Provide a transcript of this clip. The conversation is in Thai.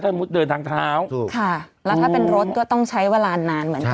มุติเดินทางเท้าถูกค่ะแล้วถ้าเป็นรถก็ต้องใช้เวลานานเหมือนกัน